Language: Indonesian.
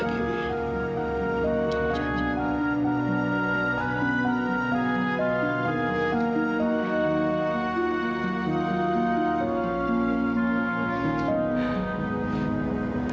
jangan jangan jangan